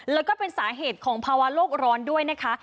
แล้วก็เป็นสาเหตุของภาวะโลกร้อนด้วยนะคะ